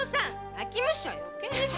泣き虫は余計でしょ！